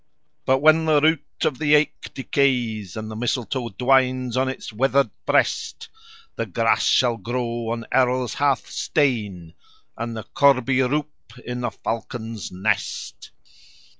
But when the root of the aik decays, And the mistletoe dwines on its withered breast, The grass shall grow on Errol's hearthstane, And the corbie roup in the falcon's nest.